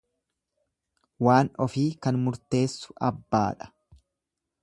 Waan ofii kan murteessu abbaadha.